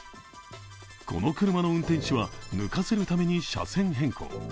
この車の運転手は抜かせるために車線変更。